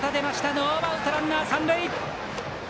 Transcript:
ノーアウト、ランナー、三塁。